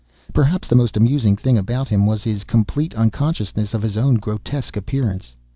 Perhaps the most amusing thing about him was his complete unconsciousness of his own grotesque appearance.